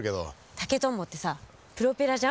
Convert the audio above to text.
竹トンボってさプロペラじゃん？